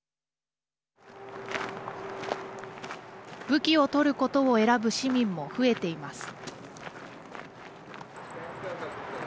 武器を取ることを選ぶ市民も増えています。